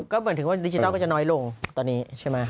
ก็เหมือนถึงว่าดิจิทัลก็จะน้อยลงตอนนี้ใช่ไหม